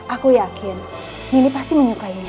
aku yakin mini pasti menyukainya